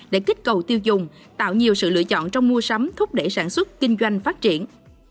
để kích cầu tiêu dùng tạo nhiều sự lựa chọn trong mua sắm thúc đẩy sản xuất kinh doanh phát triển